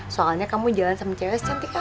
soalnya kamu jalan sama cewek secantikan aja ya